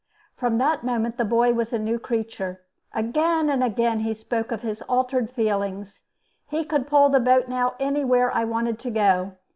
From that moment the boy was a new creature. Again and again he spoke of his altered feelings. He could pull the boat now anywhere I wanted to go.